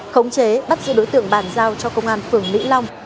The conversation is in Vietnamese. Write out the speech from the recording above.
khống chế bắt giữ đối tượng bàn giao cho công an phường mỹ long